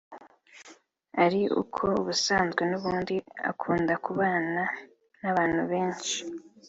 ari uko ubusanzwe n’ubundi akunda kubana n’abantu benshi